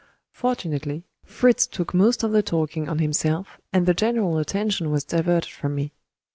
Fortunately, Fritz took most of the talking on himself, and the general attention was diverted from me.